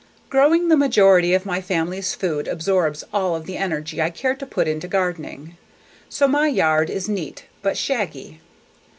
_ Growing the majority of my family's food absorbs all of the energy I care to put into gardening. So my yard is neat but shaggy.